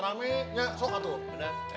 rame ya sholat tuh